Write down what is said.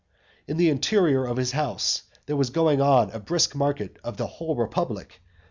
In the interior of his house there was going on a brisk market of the whole republic.